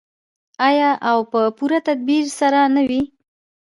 آیا او په پوره تدبیر سره نه وي؟